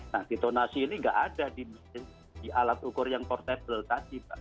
nah detonasi ini tidak ada di alat ukur yang portabilitas